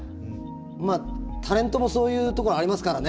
まあタレントもそういうところありますからね。